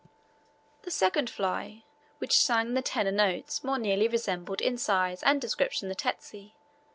The second fly, which sang the tenor notes more nearly resembled in size and description the tsetse.